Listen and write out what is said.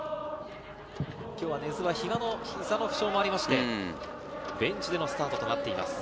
今日は根津が膝の負傷もありまして、ベンチでのスタートとなっています。